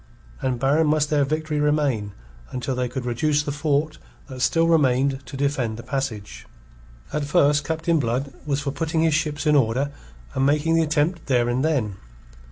And barren must their victory remain until they could reduce the fort that still remained to defend the passage. At first Captain Blood was for putting his ships in order and making the attempt there and then.